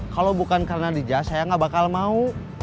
kalau bukan karena dija saya gak bakal mau